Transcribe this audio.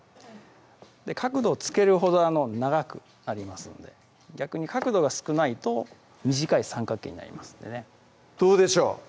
角度つけるほど長くなりますので逆に角度が少ないと短い三角形になりますんでねどうでしょう？